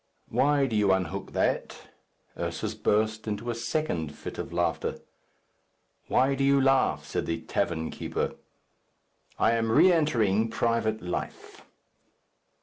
"Why do you unhook that?" Ursus burst into a second fit of laughter. "Why do you laugh?" said the tavern keeper. "I am re entering private life."